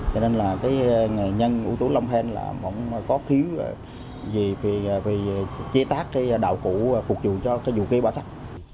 cho nên là cái nghệ nhân ủ tố lâm phen là không có khiếu gì vì chế tác cái đạo cụ phục vụ cho dù kê bà sắc